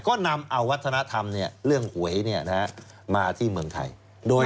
ก็นำเอาวัฒนธรรมเรื่องหวยมาที่เมืองไทย